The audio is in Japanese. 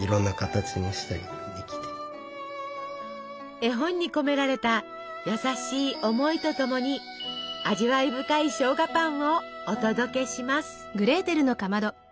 絵本に込められた優しい思いとともに味わい深いしょうがパンをお届けします！